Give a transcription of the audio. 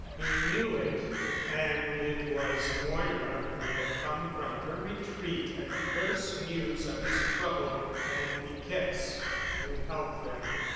He knew it. And it was Moira who had come from her retreat at the first news of his trouble and Piquette's to help them.